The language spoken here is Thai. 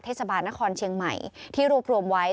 เทศบาลนครเชียงใหม่ที่รวบรวมไว้